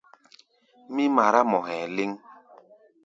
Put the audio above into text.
Mí mará mɔ hɛ̧ɛ̧ léŋ.